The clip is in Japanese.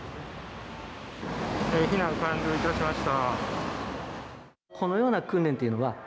避難完了いたしました。